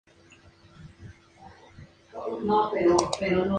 Se han barajado dos posibles orígenes del nombre de este personaje.